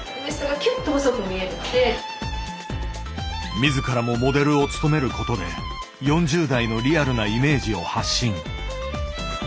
自らもモデルを務めることで４０代のリアルなイメージを発信。